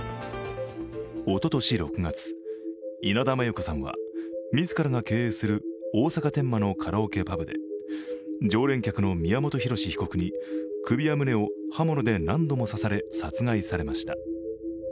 おととし６月、稲田真優子さんは自らが経営する大阪・天満のカラオケパブで常連客の宮本浩志被告に首や胸を刃物で何度も刺され殺害されました。